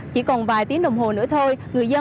chỉ còn vài tiếng đồng hồ nữa thôi